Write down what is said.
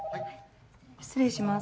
失礼します。